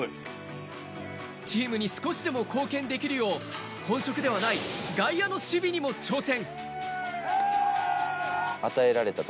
チームに少しでも貢献できるよう、本職ではない、外野の守備にも挑戦。